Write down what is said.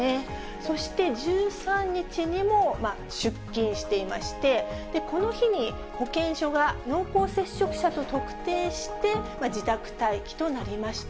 そして１３日にも出勤していまして、この日に保健所が濃厚接触者と特定して、自宅待機となりました。